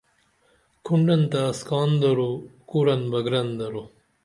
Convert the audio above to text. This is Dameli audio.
کھنڈن تہ اسکان دروکُرن بہ گرن درو